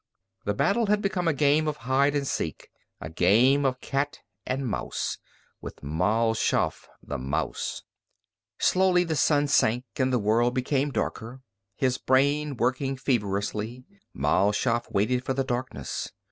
The battle had become a game of hide and seek, a game of cat and mouse, with Mal Shaff the mouse. Slowly the sun sank and the world became darker. His brain working feverishly, Mal Shaff waited for the darkness.